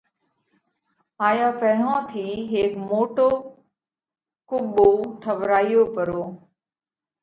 هائيون پئِيهون ٿِي هيڪ موٽو قُٻو ٺوَرايو پرو۔